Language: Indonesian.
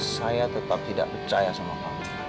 saya tetap tidak percaya sama kamu